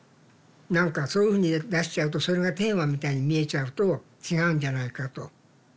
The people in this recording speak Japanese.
何かそういうふうに出しちゃうとそれがテーマみたいに見えちゃうと違うんじゃないかと。